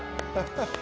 ハハハ！